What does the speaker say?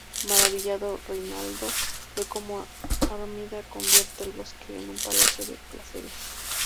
Maravillado, Rinaldo ve cómo Armida convierte el bosque en un palacio de placeres.